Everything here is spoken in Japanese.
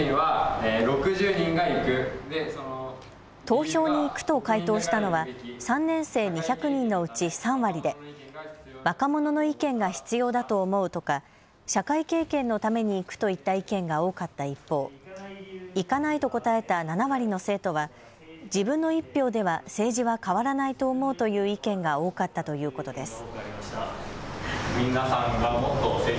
投票に行くと回答したのは３年生２００人のうち３割で若者の意見が必要だと思うとか社会経験のために行くといった意見が多かった一方、行かないと答えた７割の生徒は自分の１票では政治は変わらないと思うという意見が多かったということです。